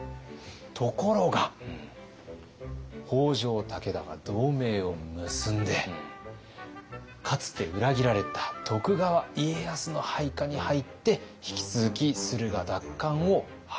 ところが北条武田が同盟を結んでかつて裏切られた徳川家康の配下に入って引き続き駿河奪還を図る。